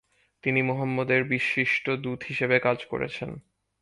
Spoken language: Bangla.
তিনি মুহাম্মদ এর বিশিষ্ট দূত হিসেবে কাজ করেছেন।